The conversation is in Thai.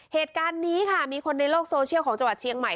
เหตุการณ์นี้ค่ะมีคนในโลกโซเชียลของจังหวัดเชียงใหม่